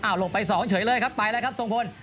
หลบไป๒เฉยเลยครับไปแล้วครับทรงพล